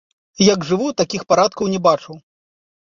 Як жыву, такіх парадкаў не бачыў!